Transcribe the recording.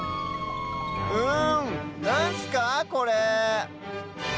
うんなんすかこれ？